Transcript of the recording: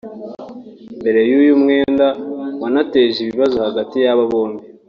Mbere y’uyu mwenda wanateje ibibazo hagati y’aba bombi